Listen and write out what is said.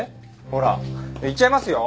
ほら行っちゃいますよ。